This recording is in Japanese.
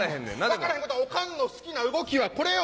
分からへんことないおかんの好きな動きはこれよ。